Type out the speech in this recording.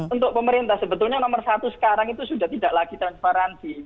untuk pemerintah sebetulnya nomor satu sekarang itu sudah tidak lagi transparansi